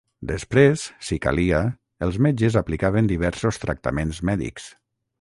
Després, si calia, els metges aplicaven diversos tractaments mèdics.